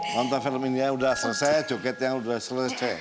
nonton film ini ya udah selesai joketnya udah selesai